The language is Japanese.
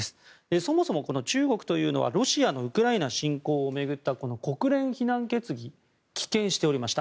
そもそも中国というのはロシアのウクライナ侵攻を巡った国連非難決議を棄権しておりました。